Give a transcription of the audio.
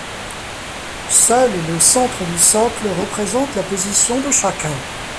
Seul le centre du socle représente la position de chacun.